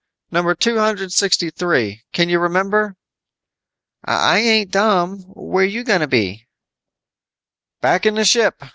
Number two hundred sixty three. Can you remember?" "I ain't dumb. Where you gonna be?" "Back in the ship.